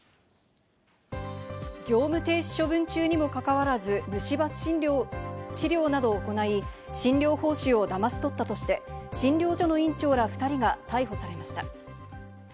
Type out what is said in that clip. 業務停止処分中にも関わらず、虫歯治療などを行い、診療報酬をだまし取ったとして、診療所の院長ら２人が逮捕されました。